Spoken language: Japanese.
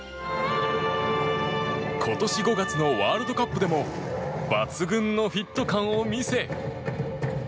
今年５月のワールドカップでも抜群のフィット感を見せ。